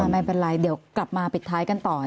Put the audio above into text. ไม่เป็นไรเดี๋ยวกลับมาปิดท้ายกันต่อ